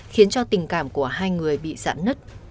khiến cho tình cảm của hai người bị giặn nứt